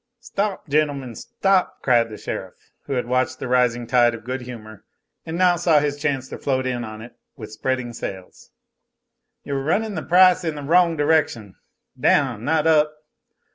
"Stop, gentlemen, stop!" cried the sheriff, who had watched the rising tide of good humor, and now saw his chance to float in on it with spreading sails. "You're runnin' the price in the wrong direction down, not up.